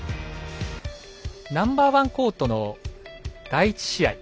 ナンバーワンコートの第１試合。